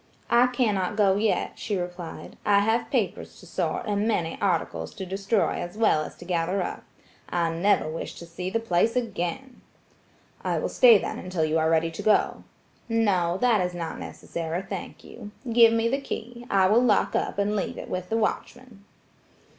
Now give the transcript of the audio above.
"I cannot go yet," she replied, "I have papers to sort and many articles to destroy as well as to gather up. I never wish to see the place again." "I will stay then until you are ready to go." "No; that is not necessary, thank you. Give me the key. I will lock up and leave it with the watchman."